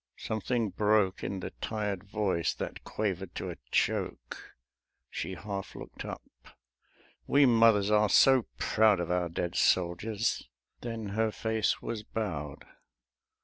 Something broke In the tired voice that quavered to a choke. She half looked up. "We mothers are so proud Of our dead soldiers." Then her face was bowed.